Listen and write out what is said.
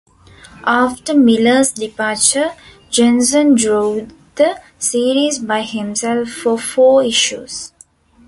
After Miller's departure, Janson drew the series by himself for four issues.